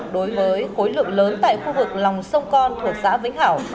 đối với khối lượng lớn tại khu vực lòng sông con thuộc xã vĩnh hảo